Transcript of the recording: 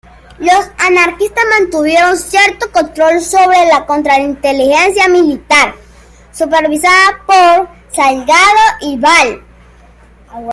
Los anarquistas mantuvieron cierto control sobre la contrainteligencia militar, supervisada por Salgado y Val.